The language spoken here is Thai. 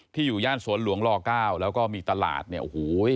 อยู่ย่านสวนหลวงล๙แล้วก็มีตลาดเนี่ยโอ้โห